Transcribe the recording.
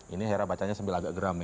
ini hera bacanya sambil agak geram ya